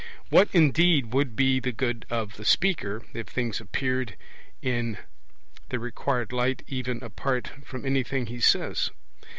What, indeed, would be the good of the speaker, if things appeared in the required light even apart from anything he says?